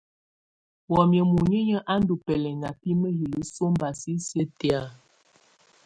Wamɛ̀á muninyǝ́ á ndù bɛlɛŋa bi mǝjilǝ sɔmba sisiǝ́ tɛ̀á.